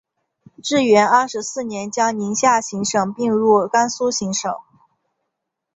至元二十四年将宁夏行省并入甘肃行省。